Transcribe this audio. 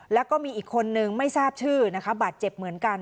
แล้วก็มีอีกคนนึงไม่ทราบชื่อนะคะบาดเจ็บเหมือนกัน